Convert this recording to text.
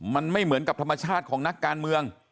มันไม่เหมือนกับธรรมชาติของนักการเมือง